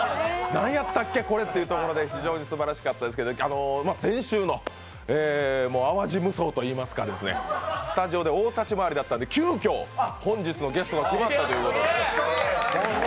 何やったっけ、これというところで非常にすばらしかったですけど、先週の淡路無双といいますか、スタジオで大立ち回りだったんで、急きょ、本日のゲストが決まったということで。